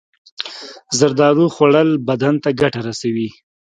زردالو خوړل بدن ته ګټه رسوي.